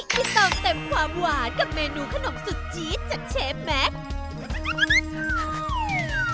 พิศาลเต็มความหวานกับเมนูขนมซุชิดจากเชฟแม็กซ์